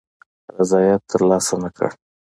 رضاییت تر لاسه نه کړ.